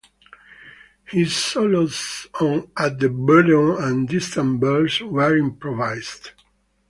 His solos on "At the Bottom" and "Distant Bells" were improvised.